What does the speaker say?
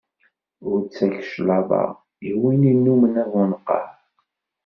Ur ttak cclaḍa i win innumen abuneqqaṛ.